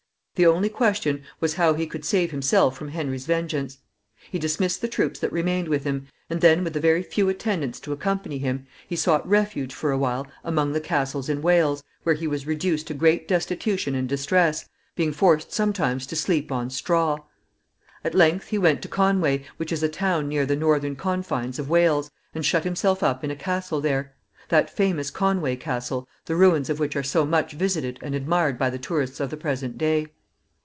The only question was how he could save himself from Henry's vengeance. He dismissed the troops that remained with him, and then, with a very few attendants to accompany him, he sought refuge for a while among the castles in Wales, where he was reduced to great destitution and distress, being forced sometimes to sleep on straw. At length he went to Conway, which is a town near the northern confines of Wales, and shut himself up in the castle there that famous Conway Castle, the ruins of which are so much visited and admired by the tourists of the present day.